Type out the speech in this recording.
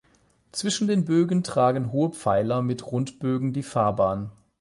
Zwischen den Bögen tragen hohe Pfeiler mit Rundbögen die Fahrbahn.